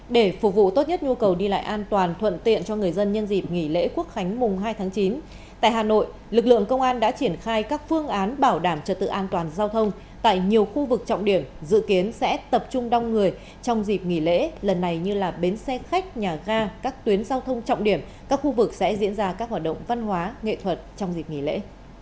để phục vụ tốt nhất nhu cầu đi lại an toàn thuận tiện cho người dân nhân dịp nghỉ lễ quốc khánh mùng hai tháng chín tại hà nội lực lượng công an đã triển khai các phương án bảo đảm trật tự an toàn giao thông tại nhiều khu vực trọng điểm dự kiến sẽ tập trung đông người trong dịp nghỉ lễ lần này như là bến xe khách nhà ga các tuyến giao thông trọng điểm các khu vực sẽ diễn ra các hoạt động văn hóa nghệ thuật trong dịp nghỉ lễ